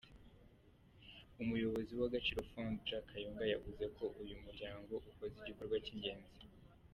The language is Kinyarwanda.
Umuyobozi w’Agaciro Fund, Jack Kayonga, yavuze ko uyu muryango ukoze igikorwa cy’ingenzi.